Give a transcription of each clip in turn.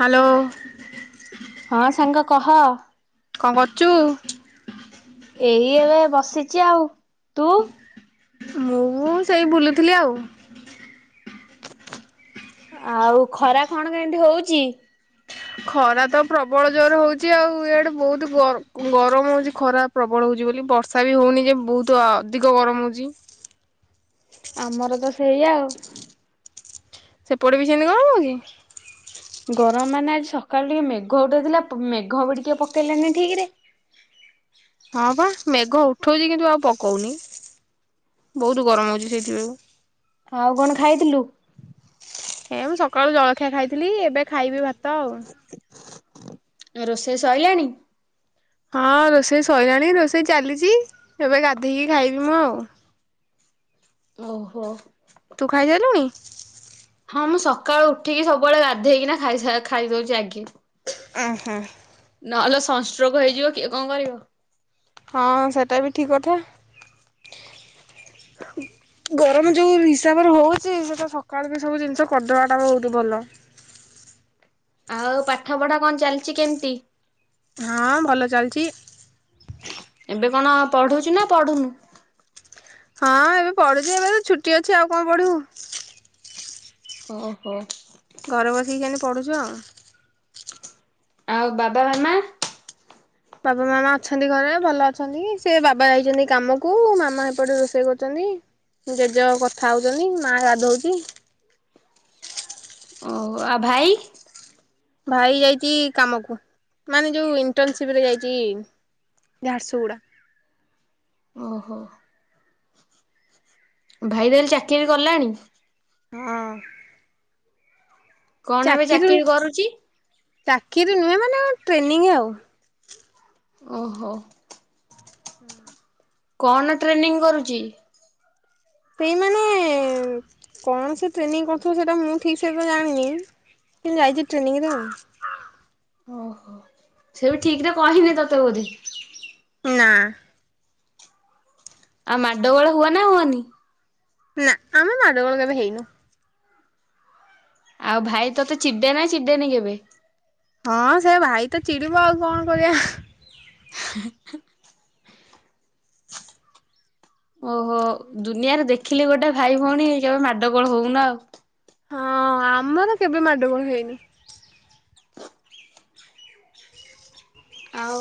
Hello ହଁ ସାଙ୍ଗ କ କଣ କରୁଚୁ? ଏଇ ଏବେ ବସିଚି ଆଉ ତୁ? ମୁଁ ସେଇ ବୁଲୁଥିଲି ଆଉ। ଆଉ ଖରା କଣ କେମିତି ହୋଉଚି! ଖରା ତ ପ୍ରବଳ ଜୋରେ ହୋଉଚି ଆଉ ଇଆଡ଼େ ବୋହୁତ ଗ ଗରମ ହୋଉଚି ଖରା ପ୍ରବଳ ହୋଉଚି ବୋଲି ବର୍ଷା ବି ହୋଉନି ଯେ ବୋହୁତ ଅଧିକ ଗରମ ହୋଉଚି। ଆମର ତ ସେଇଆ ଆଉ। ସେପଟେ ବି ସେମିତି ଗରମ କି? ଗରମ ମାନେ ଆଜି ସକାଳୁ ଟିକେ ମେଘ ଉଠେଇଥିଲା ମେଘ ବି ଟିକେ ପକେଇଲାନି ଠିକରେ। ହଁ ବା ମେଘ ଉ ଉଠଉଚି କିନ୍ତୁ ଆଉ ପକଉନେଇ ବୋହୁତ ଗରମ ହୋଉଚି ସେଇଥିପାଇଁ। ଆଉ କଣ ଖାଇଥିଲୁ? ଏ ମୁଁ ସକାଳୁ ଜଳଖିଆ ଖାଇଥିଲି ଏବେ ଖାଇବି ଭା ତଉ ରୋଷେଇ ଶୋଇଲାଣି? ହଁ ରୋଷେଇ ସରିଲାଣି ରୋଷେଇ ଚାଲିଛି ଏବେ ଗା ଗାଧେଇକି ଖାଇବି ମୁଁ ଆଉ। ଓହୋ ତୁ ଖାଇସାଇଲୁଣି। ହଁ ମୁଁ ସକାଳୁ ଉଠିକି ସବୁବେଳେ ଗାଧେଇକିନା ଖାଇ ସା ଖାଇ ଦୋଉଚି ଆଗେ। ଓହୋ ଅଲ ସଷ୍ଟ୍ରଗୋ ହେଇଯିବ କିଏ କଣ କରିବ। ହଁ ସେଟା ବି ଠିକ କଥା ଗରମ ଯୋଉ ହିସାବରେ ହଉଛି ସେଟା ସକାଳୁ ବି ସବୁ ଜିନିଷ କରିଦବା ଟା ବହୁତ୍ ଭଲ। ଆଉ ପାଠ ପଢା କଣ ଚାଲିଚି କେମିତି। ହଁ ଭଲ ଚାଲିଚି। ଏବେ। କଣ ପଢୁଚୁ ନା ପଢୁନୁ। ହଁ ଏବେ ପଢୁଚି ଏବେ ତ ଛୁଟି ଅଛି ଆଉ କଣ ପଢିବୁ। ଓହୋ। ଘରେ ବସିକି ସେମିତି ପଢୁଚୁ ଆଉ। ଆଉ ବାବା ମାମା। ବାପା ମାମା ଅଛନ୍ତି ଘରେ ଭଲ ଅଛନ୍ତି ସେ ବାବା ଯାଇଛନ୍ତି କାମକୁ ମାମା ସେପଟେ ରୋଷେଇ କରୁଛନ୍ତି ଜେଜେ କଥା ହଉଛନ୍ତି ମା ଗାଧଉଚି। ଓ ଆଉ ଭାଇ। ଭାଇ ଯାଇଛି କାମକୁ ମାନେ ଯୋଉ ଇଣ୍ଟରନସିପ ରେ ଯାଇଛି ଝାରସୁଗୁଡା। ଓହୋ ଭାଇ ତାହେଲେ ଚାକିରି କଲାଣି। ହଁ। କଣ ଏବେ ଚାକିରି କରୁଚି। ଚାକିରି ନୁହେଁ ମାନେ ଟ୍ରେନିଂ ଆଉ। ଓହୋ। [inaudible] କଣ ଟ୍ରେନିଂ କରୁଚି। ସେଇମାନେ କଣ ସେ ଟ୍ରେନିଂ କରୁଥିବ ସେଇଟା ମୁଁ ଠିକ ବି ଜାଣିନି ସେ ଯାଇଛି ଟ୍ରେନିଂରେ ଆଉ। ଓହୋ। ସେ ବି ଠିକ୍ ରେ କହିନି ତତେ ବୋଧେ। ନା ଆଉ ମାଡଗୋଳ ହୁଅ ନା ହୁଅନି। ନା ଆମେ ମାଡୁଗଳ କେବେ ହେଇନୁ। ଆଉ ଭାଇ ତତେ ଚିଡେ ନା ଚିଡେନି କେବେ। ହଁ ସେ ଭାଇ ତ ଚିଡିବ ଆଉ କଣ କରିବା। ଓହୋ ଦୁନିଆରେ ଦେଖିଲି ଗୋଟେ ଭାଇ ଭଉଣୀ କେବେ ମାଡଗୋଳ ହଉନା ଆଉ। ହଁ ଆମର କେବେ ମାଡୁଗୋଳ ହେଇନି। ଆଉ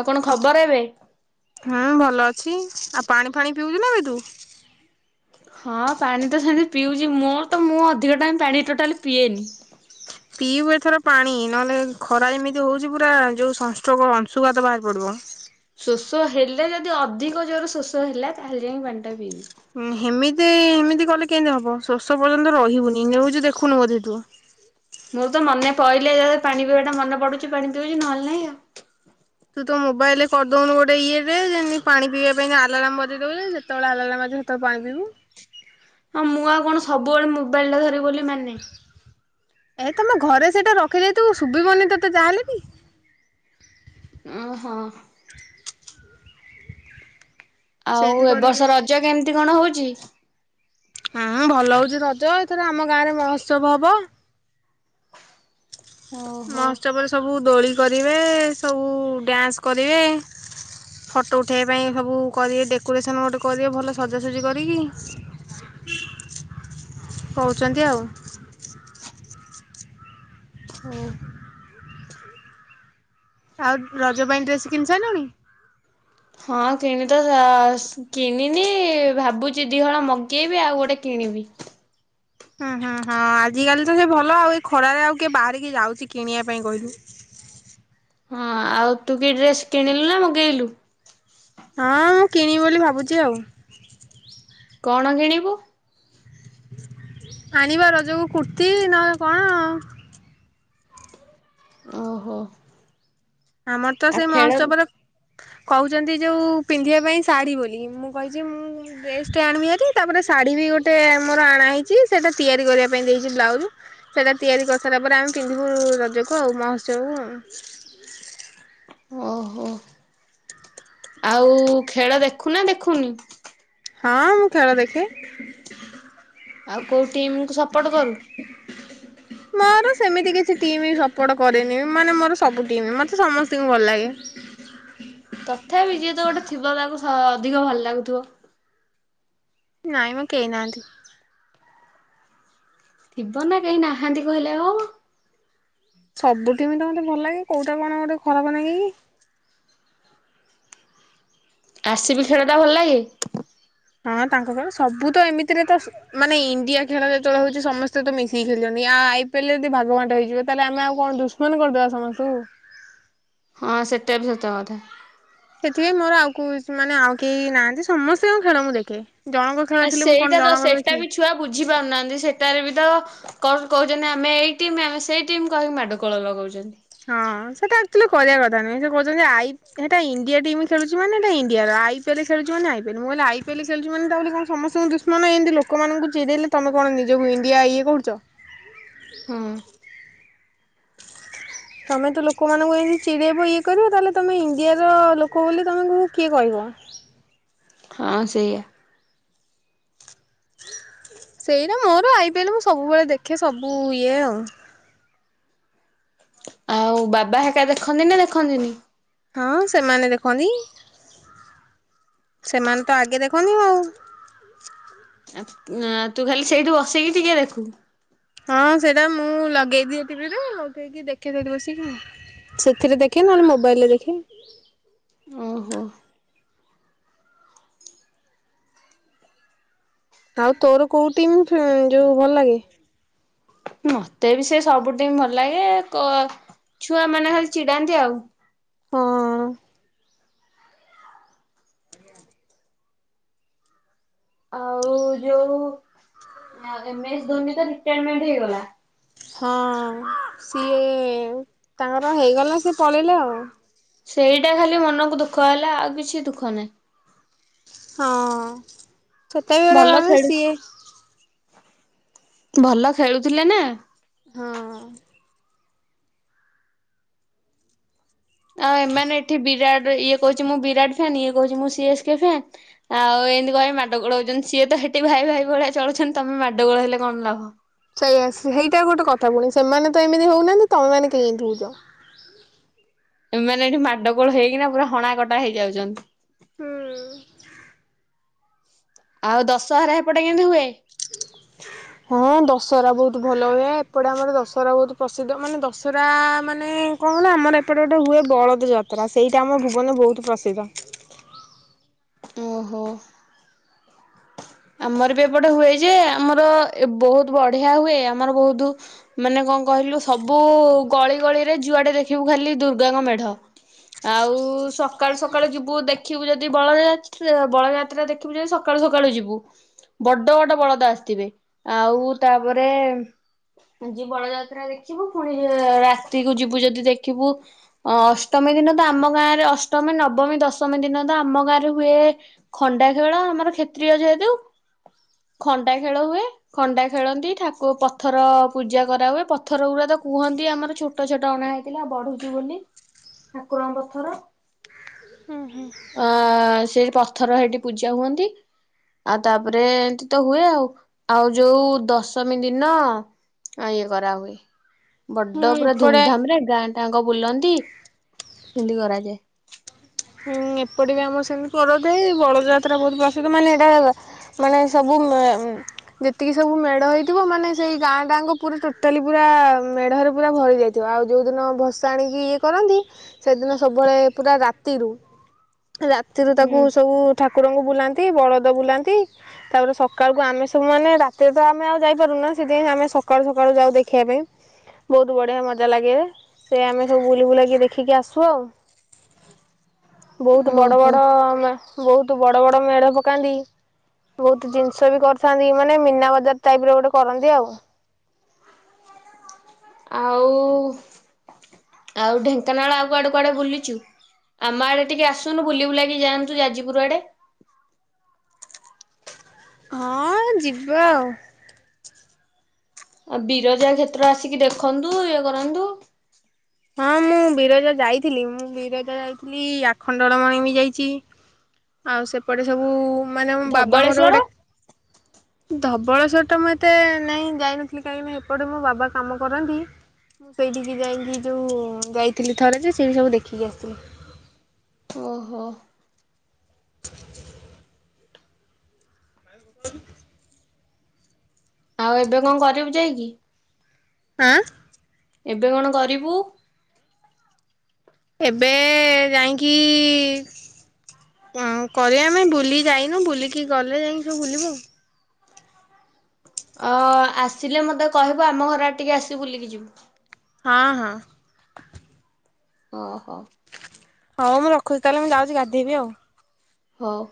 ଆଉ କଣ ଖବର ଏବେ। ହୁଁ ଭଲ ଅଛି ଆଉ ପାଣି ଫାଣି ପିଉଚୁ ନା ବେ ତୁ। ହଁ ପାଣି ତ ସେମିତି ପିଉଚି ମୋର ତ ମୁଁ ଅଧିକ ଟାଇମ୍ ପାଣି ଟୋଟାଲି ପିଏନି। ପିଇବୁ ଏଥର ପାଣି ନହେଲେ ଖରା ଏମିତି ହଉଛି ପୁରା ଯୋଉ ସଂସ୍ୋଗ ଅଂଶୁଘାତ ବାହାରି ପଡିବ। ଶୋଷ ହେଲେ ଯଦି ଅଧିକ ଜୋର ଶୋଷ ହେଲା ତାହେଲେ ଯାଇ ପାଣି ଟା ପିଇବି। ହେମିତି ହେମିତି କଲେ କେମିତି ହବ ଶୋଷ ପର୍ଯ୍ୟନ୍ତ ରହିହୋଉନି ନିୟୁଜ୍ ଦେଖୁନୁ ବୋଧେ ତୁ। ମୁଁର ତ ମନେ ପହିଲେ ପାଣି ପିଇବା ଟା ମନେ ପଡୁଛି ପାଣି ପିଉଛି ନହେଲେ ନାଇଁ ଆଉ। ତ ମୋବାଇଲରେ କରିଦଉନୁ ଗୋଟେ ଇଏଟେ ଯେମିତି ପାଣି ପିଇବା ପାଇଁ ଆଲାର୍ମ କରିଦଉ ଯେତେବେଳେ ଆଲମ ଆତବେଳେ ପାଣି ପିବୁ। ହଁ ମୁଁ ଆଉ କଣ ସବୁବେଳେ ମୋବାଇଲ ଟା ଧରିବ ବୋଲି ମାନେ। ଏ ତମ ଘରେ ସେଇଟା ରଖିଦେଇଥିବୁ ଶୁଭିବନି ତତେ ଯାହାଲେ ବି। ଓହୋ। [inaudible] ଆଉ ସେମିତି ଏ କରିକି ବର୍ଷ ରଜ କେମିତି କଣ ହଉ କି ହଁ ଭଲ ହଉଛି ରଜ ଏଥର ଆମ ଗାଁ ରେ ମହୋତ୍ସବ ହବ। ଓହୋ ମହୋତ୍ସବ ରେ ସବୁ ଦୋଳି କରିବେ ସବୁ ଡ୍ୟାନ୍ସ କରିବେ ଫଟୋ ଉଠେଇବା ପାଇଁ ସବୁ କରିବେ ଡେକୋରେସନ୍ ଗୋଟେ କରିବେ ଭଲ ସଜାସଜି କରିକି କହୁଛନ୍ତି ଆଉ। ହଁ। ଆଉ ରଜ ପାଇଁ ଡ୍ରେସ୍ କିଣି ସାରିଲଣି। ହଁ କିଣ ତ ଯା ସ୍ କିଣିନି ଭାବୁଛି ଦିହଳ ମଗେଇବି ଆଉ ଗୋଟେ କିଣିବି। ହୁଁ ହୁଁ ହଁ ଆଜିକାଲି ତ ସେ ଭଲ ଆଉ ଏ ଖରାରେ ଆଉ କିଏ ବାହାରିକି ଯାଉଛି କିଣିବା ପାଇଁ କହିଲୁ। ହଁ ଆଉ ତୁ କି ଡ୍ରେସ୍ କିଣିଲୁ ନା ମଗେଇଲୁ? ହଁ ମୁଁ କିଣିବି ବୋଲି ଭାବୁଛି ଆଉ। କଣ କିଣିବୁ। ଆଣିବା ରଜକୁ କୁର୍ତ୍ତିୀ ନହେଲେ କଣ ଓହୋ। ଆମର ତ ଆଉ ସେଇ ଖେଳ ମହୋତ୍ସବର କହୁଛନ୍ତି ଯଉ ପିନ୍ଧିବା ପାଇଁ ଶାଢ଼ୀ ବୋଲି ମୁଁ କହିଛି ମୁଁ ଡ୍ରେସଟେ ଆଣିବି ହେରି ତାପରେ ଶାଢ଼ୀ ବି ଗୋଟେ ମୋର ଆଣହଇଛି ସେଇଟା ତିଆରି କରିବା ପାଇଁ ଦେଇଛି ବ୍ଲାଉଜ୍ ସେଇଟା ତିଆରି କରିସାରିଲା ପରେ ଆମେ ପିନ୍ଧିବୁ-ବୁ-ଵୁ ରଜକୁ ଆଉ ମହୋତ୍ସବ କୁ ଆଉ। ଓହୋ ଆଉ ଖେଳ ଦେଖୁନା ଦେଖୁନି। ହଁ ମୁଁ ଖେଳ ଦେଖେ। ଆଉ କୋଉ ଟିମ କୁ ସପୋର୍ଟ କରୁ? ମୋର ସେମିତି କିଛି ଟିମି ସପୋର୍ଟ କରେନି ମାନେ ମୋର ସବୁ ଟିମ୍ ମତେ ସମସ୍ତଙ୍କୁ ଭଲ ଲାଗେ। ତଥାପି ଯିଏ ତ ଗୋଟେ ଥିବ ତାକୁ ଅଧିକ ଭଲ ଲାଗୁଥିବ। ନାଇଁ ମ କେହି ନାହାନ୍ତି। ଥିବ ନା କେହି ନାହାନ୍ତି କହିଲେ ଆଉ ହବ। ସବୁ ଟିମ୍ ତ ମତେ ଭଲ ଲାଗେ କୋଉଟା କଣ ଗୋଟେ ଖରାପ ନାଗେ କି ଆର-ସି-ବି ଖେଳ ଟା ଭଲ ଲାଗେ? ହଁ ତାଙ୍କ ଖେଳ ସବୁ ତ ଏମିତିରେ ତ ମାନେ ଇଣ୍ଡିଆ ଖେଳ ଯେତେବେଳେ ହଉଛି ସମସ୍ତେ ତ ମିଶିକି ଖେଳୁଛନ୍ତି ଆଉ ଆଇ ପି ଏଲ ରେ ଯଦି ଭାଗବାଣ୍ଟ ହେଇଯିବେ ତାହେଲେ ଆମେ ଆଉ କଣ ଦୁସମନ୍ କରିଦବା ସମସ୍ତଙ୍କୁ। ହଁ ସେଟା ବି ସତ କଥା। ସେଥିପାଇଁ ମୋର ଆଉ କଉ ମାନେ ଆଉ କେହି ନାହାନ୍ତି ସମସ୍ତେ ଙ୍କ ଖେଳ ମୁଁ ଦେଖେ। ଜଣଙ୍କ ଖେଳ ଆ ଥିଲେ ମୁଁ କଣ ସେଇଟା ତ ଜଣଙ୍କର ସେଟା ଦେଖିବି। ବି ଛୁଆ ବୁଝି ପାରୁନାହାନ୍ତି ସେଟାରେ ବି ତ କଣ କହୁଛନ୍ତି ଆମେ ଏଇ ଟିମ ଆମେ ସେଇ ଟିମ୍ କହିକି ମାଡ କୋଳ ଲଗୋଉଛନ୍ତି। ହଁ ସେଟା ଆକ୍ଚୁଆଲି କରିବା କଥା ନୁହଁ ସେ କହୁଛନ୍ତି ଆଇ ପି ସେଟା ଇଣ୍ଡିଆ ଟିମ୍ ଖେଳୁଛି ମାନେ ଏଟା ଇଣ୍ଡିଆର ଆଇ ପି ଏଲ ଖେଳୁଛି ମାନେ ଆଇ ପି ଏଲ ମୁଁ କହିଲି ଆଇ ପି ଏଲ ଖେଳୁଛି ମାନେ ତା ବୋଲି କଣ ସମସ୍ତଙ୍କୁ ଦୁଷ୍ମନ ଏମିତି ଲୋକମାନଙ୍କୁ ଚିରେଇଲେ ତମେ କଣ ନିଜକୁ ଇଣ୍ଡିଆ ଇଏ କରୁଛ। ହଁ। ତମେ ତ ଲୋକମାନଙ୍କୁ ଏମିତି ଚିଡେଇବ ଇଏ କରିବ ତାହେଲେ ତମେ ଇଣ୍ଡିଆର ଲୋକ ବୋଲି ତମକୁ କିଏ କହିବ। ହଁ ସେଇଆ। ସେଇଟା ମୋର ଆଇ ପି ଏଲ ମୁଁ ସବୁବେଳେ ଦେଖେ ସବୁ ଇଏ ଆଉ। ଆଉ ବାବା ହେରିକା ଦେଖନ୍ତି ନା ଦେଖନ୍ତିନି? ହଁ ସେମାନେ ଦେଖନ୍ତି ସେମାନେ ତ ଆଗେ ଦେଖନ୍ତି ଆଉ। ଆ ଆ ତୁ ଖାଲି ସେଇଠି ବସିକି ଟିକେ ଦେଖୁ। ହଁ ସେଇଟା ମୁଁ ଲଗେଇ ଦିଏ ଟିଭିରେ ଲଗେଇକି ଦେଖେ ସେଠି ବସିକି ସେଥିରେ ଦେଖେ ନହେଲେ ମୋବାଇଲରେ ଦେଖେ। ଓହୋ। ଆଉ ତୋର କୋଉ ଟିମ ଯୋଉ ଭଲ ଲାଗେ। ମତେ ବି ସେ ସବୁଠ ଭଲ ଲାଗେ ଛୁଆ ମାନେ ଖାଲି ଚିଡାନ୍ତି ଆଉ। ହଁ ଆଉ ଯୋଉ ଏମ୍ ଏସ ଧୋନୀ ହଁ ସିଏ ତାଙ୍କର ହେଇଗଲା ନା ସିଏ ପଳେଇଲେ ଆଉ। ସେଇଟା ଖାଲି ମନକୁ ଦୁଃଖ ହେଲା ଆଉ କିଛି ଦୁଃଖ ନାହିଁ। ହଁ ଛତା ବି ଗୋଡେ ଭଲ ଗାରେ ଖେଳୁ ସିଏ ଭଲ ଖେଳୁଥିଲେ ନା ହଁ ଆଉ ଏମାନେ ଏଠି ବିରାଟ ଇଏ କହୁଛି ମୁଁ ବିରାଟ ଫନ୍ ଇଏ କହୁଛି ମୁଁ ସିଏସ୍ କେ ଫାନ ଆଉ ଏମିତି କହି ମାଡ ଗୋଳ ହଉଛନ୍ତି। ସିଏ ତ ହେଠି ଭାଇ ଭାଇ ଭଳିଆ ଚଳୁଛନ୍ତି ।ତମେ ମାଡ ଗୋଳ ହେଲେ କଣ ଲାଭ। ସେଇଆସ ସେଇଟାଉ ଗୋଟେ କଥା ପୁଣି ସେମାନେ ତ ଏମିତି ହଉନାହାନ୍ତି ତମେମାନେ କାଇଁ ଏମିତି ହଉଛ। ଏମାନେ ଏଠି ମାଡଗୋଳ ହେଇକିନା ପୁରା ହଣା କଟା ହେଇଯାଉଛନ୍ତି। ହଁ ଆଉ ଦଶହରା ଏପଟେ କେମିତି ହୁଏ? ହଁ ଦଶହରା ବହୁତ ଭଲ ହୁଏ ଏପଟେ ଆମର ଦଶହରା ବହୁତ ପ୍ରସିଦ୍ଧ ମାନେ ଦଶହରା ମାନେ କଣ କଲା ଆମର ଏପଟେ ଗୋଟେ ହୁଏ ବଳଦ ଯାତ୍ରା ସେଇଟା ଆମ ଭୁବନରେ ବହୁତ ପ୍ରସିଦ୍ଧ। ଓହୋ ଆମର ବି ଏପଟେ ହୁଏ ଯେ ଆମର ବହୁତ ବଢିଆ ହୁଏ ।ଆମର ବହୁତ ମାନେ କଣ କହିଲୁ ସବୁ ଗଳି ଗଳିରେ ଯୁଆଡେ ଦେଖିବୁ ଖାଲି ଦୁର୍ଗାଙ୍କ ମେଢ ଆଉ ସକାଳୁ ସକାଳୁ ଯିବୁ ଦେଖିବୁ ଯଦି ବଳଯାତା ବଳଯାତ୍ରା ଦେଖିବୁ ଯଦି ସକା ସକାଳୁ ସକାଳୁ ଯିବୁ ବଡ ବଡ ବଳଦ ଆସିଥିବେ। ଆଉ ତାପରେ ଯ ବଳଯାତ୍ରା ଦେଖିବୁ ପୁଣି ରାତିକୁୁ ଯିବୁ ଯଦି ଦେଖିବୁ ଅଷ୍ଟମୀ ଦିନ ତ ଆମ ଗାଁରେ ଅଷ୍ଟମୀ, ନବମୀ, ଦଶମୀ ଦିନ ତ ଆମ ଗାଁରେ ହୁଏ ଖଣ୍ଡା ଖେଳ ଆମର କ୍ଷତ୍ରୀିୟ ଯେହେତୁ ଖଣ୍ଡା ଖେଳ ହୁଏ। ଖଣ୍ଡା ଖେଳନ୍ତି ଠାକୁ ପଥର ପୂଜା କରାହୁଏ ପଥର ଗୁଡା ତ କୁହନ୍ତି ଆମର ଛୋଟ ଛୋଟ ଅଣା ହେଇଥିଲା ବଢୁଛିୁ ବୋଲି ଠାକୁରଙ୍କ ପଥର ଅ ସେ ପଥର ସେଇଠି ପୂଜା ହୁଅନ୍ତି। ଆଉ ତାପରେ ଏମତି ତ ହୁଏ ଆଉ ଆଉ ଯୋଉ ଦଶମୀ ଦିନ ଇଏ କରାହୁଏ। ହୁଁ ବଡ ପୁରା ଏପଟେ ଧୁମଧାମ ରେ ଗାଁ ତାଙ୍କ ବୁଲନ୍ତି ସେନ୍ତୀ କରାଯାଏ। ହୁଁ ଏପଟେ ବି ଆମର ସେମିତି ପରଥାଏ ।ବଳଯାତ୍ରା ବହୁତ ପ୍ରସିଦ୍ଧ ମାନେ ଏଇଟା ମାନେ ସବୁ ଯେତିକି ସବୁ ମେଢ ହେଇଥିବ ମାନେ ସେଇ ଗାଁ ଟାଙ୍କ ପୁରା ଟୋଟାଲି ପୁରା ମେଢରେ ପୁରା ଭରି ଯାଇଥିବ ଆଉ ଯୋଉ ଦିନ ଭସା ଆଣିକି ଇଏ କରନ୍ତି ସେଦିନ ସବୁବେଳେ ପୁରା ତିରୁ ରାତିରୁ ତାକୁ ସବୁ ଠା କୁକୁରଙ୍କୁ ବୁଲାନ୍ତି ବଳଦ ବୁଲାନ୍ତି ତାପରେ ସକାଳକୁ ଆମେ ସବୁ ମାନେ ରାତିରେ ତ ଆମେ ଆଉ ଯାଇପାରୁନ। ସେଥିପାଇଁ ଆମେ ସକାଳୁ ସକାଳୁ ଯାଉ ଦେଖିବା ପାଇଁ ବହୁତ ବଢିଆ ମଜା ଲାଗେ ସେ ଆମେ ସବୁ ବୁଲି ବୁଲାକି ଦେଖିକି ଆସୁ ଆଉ। ବହୁତ ବଡ ଓହୋ ବଡ ଆମେ ବହୁତ ବଡ ବଡ ମେଢ ପକାନ୍ତି ବହୁତ ଜିନିଷ ବି କରିଥାନ୍ତି ମାନେ ମୀନା ବଜାର ଟାଇପ ର ଗୋଟେ କରନ୍ତି ଆଉ। ଆଉ ଆଉ ଢେଙ୍କାନାଳ ଆଉ କୁଆଡେ କୁଆଡେ ବୁଲିଛୁ। ଆମ ଆଡେ ଟିକେ ଆସୁନୁ ବୁଲି ବୁଲାକି ଯାଆନ୍ତୁ ଯାଜପୁର ଆଡେ। ହଁ ଯିବା ଆଉ। ଆଉ ବିରଜା କ୍ଷେତ୍ର ଆସିକି ଦେଖନ୍ତୁ ଇଏ କରନ୍ତୁ। ହଁ ମୁଁ ବିରଜା ଯାଇଥିଲି ମୁଁ ବିରଜା ଯାଇଥିଲି ଆଖଣ୍ଡଳମଣି ବି ଯାଇଛି ଆଉ ସେପଟେ ସବୁ ମାନେ ମୋ ଧବଳେଶ୍ଵର ଧବଳ୍ଵର ଟା ମୁଁ ଏତେ ନହିଁ ଯାଇନଥିଲି ।କାହିଁକି ନା ଏପଟେ ମୋ ବାବା କାମ କରନ୍ତି ମୁଁ ସେଇଠିକି ଯାଇକି ଯୋଉ ଯାଇଥିଲି ଥରେ ଯେ ସେଇଠି ସବୁ ଦେଖିକି ଆସିଥିଲି। ଓହୋ [inaudible] ଆଉ ଏବେ କଣ କରିବୁ ଯାଇକି? ଆଁ ଏବେ କଣ କରିବୁ? ଏବେ ଯାଇକି କରିବା ଆମେ ବୁଲି ଯାଇନୁ ବୁଲିକି ଗଲେ ଯାଇକି ସବୁ ବୁଲିବୁ ଆଉ। ଅ ଆସିଲେ ମତେ କହିବୁ ଆମ ଘରଡ ଟିକେ ଆସିବୁ ବୁଲିକି ଯିବୁ। ହଁ ହଁ ଓହୋ ହଉ ମୁଁ ରଖୁଚି ତାହେଲେ। ମୁଁ ଯାଉଚି ଗାଧେଇବି ଆଉ। ହଉ